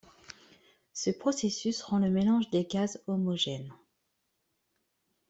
Ce processus rend le mélange des gaz homogène.